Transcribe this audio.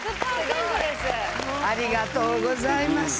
ありがとうございます。